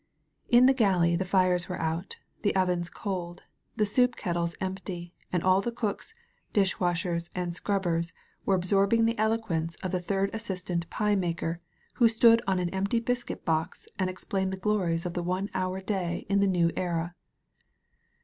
In the galley the fires were out, the ovens cold, the soup kettles empty, and all the cooks, dish washers, and scrubbers were absorbing the eloquence of the third assistant pie maker, who stood on an empty biscuit box and explained the glories of the one hour day in the New Era.